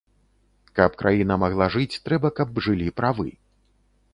Каб краіна магла жыць, трэба, каб жылі правы.